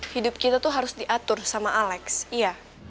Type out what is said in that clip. hidup kita tuh harus diatur sama alex iya